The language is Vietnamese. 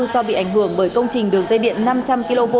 do bị ảnh hưởng bởi công trình đường dây điện năm trăm linh kv